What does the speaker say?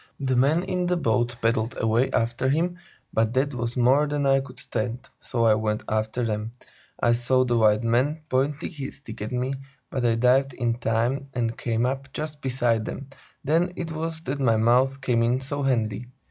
The men in the boat paddled away after him, but that was more than I could stand, so I went after them. I saw the white man point his stick at me, but I dived in time and came up just beside them; then it was that my mouth came in so handy.